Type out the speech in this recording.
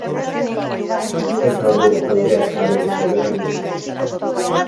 Ez al du aldeaz jabetzeko belarririk?